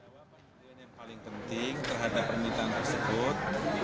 jawaban yang paling penting terhadap permintaan tersebut